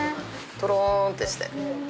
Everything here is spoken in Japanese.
とろーんってして。